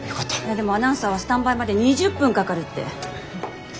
でもアナウンサーはスタンバイまで２０分かかるって。